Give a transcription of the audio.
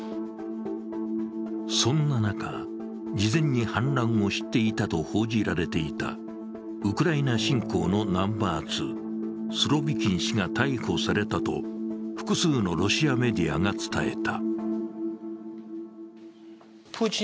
そんな中、事前に反乱を知っていたと報じられていたウクライナ侵攻のナンバー２、スロビキン氏が逮捕されたと複数のロシアメディアが伝えた。